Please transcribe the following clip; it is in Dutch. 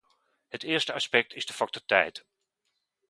Het eerste aspect is de factor tijd.